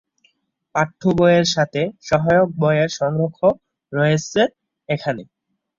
পাঠ্য বইয়ের সাথে সহায়ক বইয়ের সংগ্রহ রয়েছে এখানে।